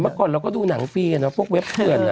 ก่อนเราก็ดูหนังฟรีพวกเว็บเถื่อน